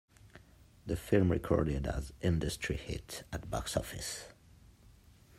The film recorded as "Industry Hit" at box-office.